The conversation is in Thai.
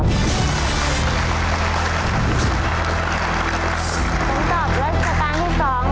สำหรับรัชกาลที่สอง